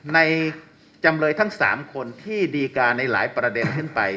จำเลยทั้ง๓คนที่ดีการในหลายประเด็นขึ้นไป